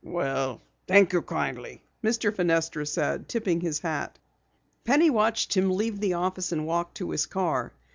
"Well, thank you kindly," Mr. Fenestra said, tipping his hat. Penny watched him leave the office and walk to his car.